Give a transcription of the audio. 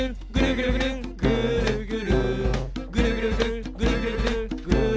「ぐるぐるぐるぐるぐるぐるぐーるぐる」